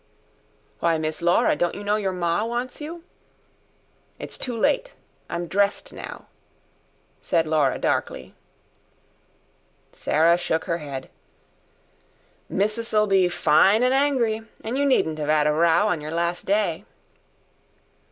"Why, Miss Laura, don't you know your ma wants you?" "It's too late. I'm dressed now," said Laura darkly. Sarah shook her head. "Missis'll be fine an' angry. An' you needn't 'ave 'ad a row on your last day."